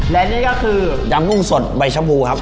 และนี่ก็คือดำกุ้งสดใบชะบูครับ